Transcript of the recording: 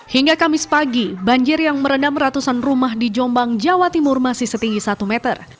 hingga kamis pagi banjir yang merendam ratusan rumah di jombang jawa timur masih setinggi satu meter